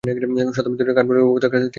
শতাব্দী ধরে কাঠমান্ডু উপত্যকার তিনটি রাজ্য।